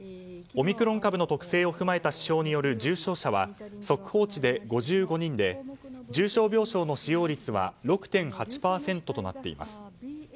オミクロン株の特性を踏まえた指標による重症者は速報値で５５人で重症病床の使用率は６．８％となっています。